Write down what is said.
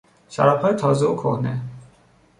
شرابهای تازه و کهنه